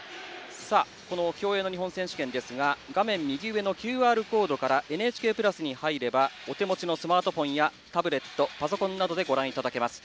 競泳の日本選手権は画面右上のＱＲコードから「ＮＨＫプラス」に入っていただければお手持ちのスマートフォンやタブレット、パソコンなどでご覧いただけます。